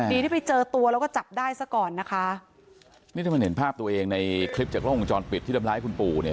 ดีที่ไปเจอตัวแล้วก็จับได้ซะก่อนนะคะนี่ถ้ามันเห็นภาพตัวเองในคลิปจากกล้องวงจรปิดที่ทำร้ายคุณปู่เนี่ย